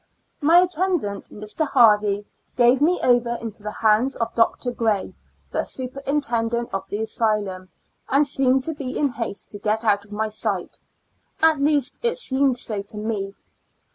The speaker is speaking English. My attendant, Mr. Haiwey, gave me over into the hands of Dr. Gray, the superin 40 Two Years AND Four Months tendent of the asylum, and seemed to be in haste to get out of my sight ; at least it seemed so to me.